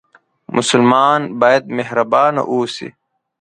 مسلمان باید مهربانه اوسي